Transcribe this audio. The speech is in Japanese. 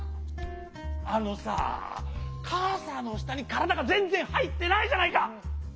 あのさかさのしたにからだがぜんぜんはいってないじゃないか！